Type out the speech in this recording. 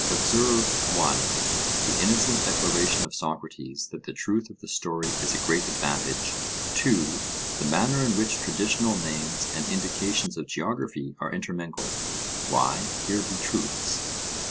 Observe (1) the innocent declaration of Socrates, that the truth of the story is a great advantage: (2) the manner in which traditional names and indications of geography are intermingled ('Why, here be truths!')